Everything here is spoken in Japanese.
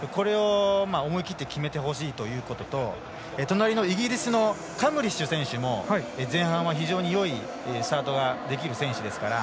思い切って決めてほしいということと隣のイギリスのカムリッシュ選手も前半は非常によいスタートができる選手ですから。